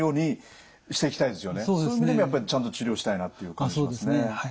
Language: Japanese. そういう意味でもやっぱりちゃんと治療したいなっていう感じしますね。